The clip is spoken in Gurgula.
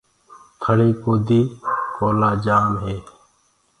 ٿݪيٚ ڪودي ڪوئيٚلو جآم هي۔